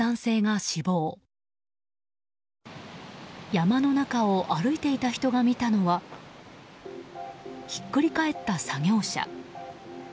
山の中を歩いていた人が見たのはひっくり返った作業車。